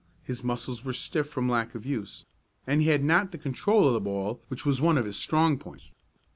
His muscles were stiff from lack of use, and he had not the control of the ball, which was one of his strong points.